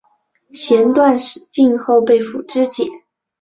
弦断矢尽后被俘支解。